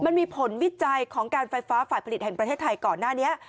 มันมีผลวิจัยของการไฟฟ้าฝ่ายผลิตแห่งประเทศไทยก่อนหน้านี้